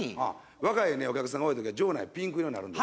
若いお客さんが多い時は場内ピンク色になるんです。